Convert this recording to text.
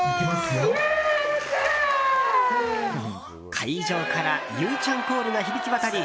会場から優ちゃんコールが響き渡り